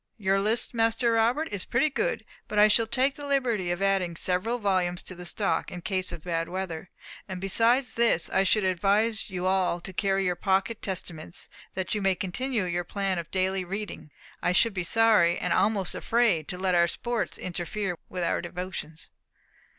Your list, Master Robert, is pretty good; but I shall take the liberty of adding several volumes to the stock, in case of bad weather. And beside this, I should advise you all to carry your pocket Testaments, that you may continue your plan of daily reading. I should be sorry, and almost afraid, to let our sports interfere with our devotions."